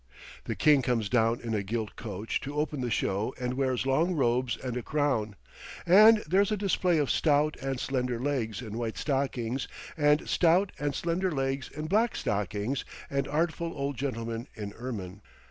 The King comes down in a gilt coach to open the show and wears long robes and a crown; and there's a display of stout and slender legs in white stockings and stout and slender legs in black stockings and artful old gentlemen in ermine.